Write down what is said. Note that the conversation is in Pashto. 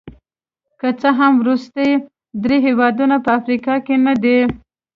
که څه هم وروستي درې هېوادونه په افریقا کې نه دي.